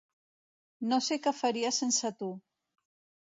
No sé què faria sense tu.